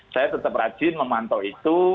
saya tetap rajin memantau itu